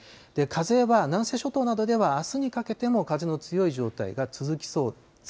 風は南西諸島などではあすにかけても風の強い状態が続きそう。